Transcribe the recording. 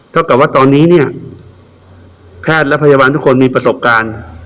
เท่ากับว่าตอนนี้เนี่ยแพทย์และพยาบาลทุกคนมีประสบการณ์